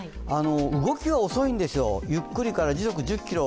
動きが遅いんですよ、ゆっくりと時速１０キロ